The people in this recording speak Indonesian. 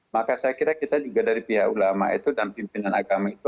maka saya kira kita juga dari pihak ulama itu dan pimpinan agama itu